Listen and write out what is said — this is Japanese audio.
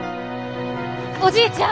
おじいちゃん！